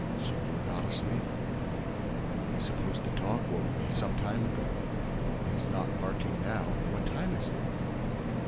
So you're not asleep?" "I suppose the dog woke me—some time ago. But he's not barking now. What time is it?"